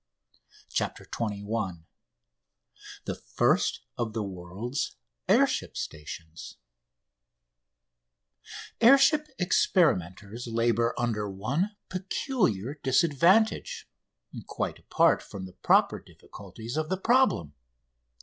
CHAPTER XXI THE FIRST OF THE WORLD'S AIR SHIP STATIONS Air ship experimenters labour under one peculiar disadvantage, quite apart from the proper difficulties of the problem.